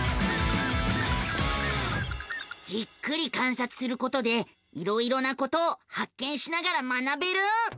じっくり観察することでいろいろなことを発見しながら学べる。